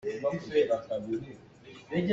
Camipuai na sungh ahcun na nolh ṭhan lai.